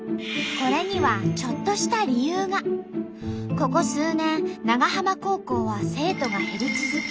ここ数年長浜高校は生徒が減り続け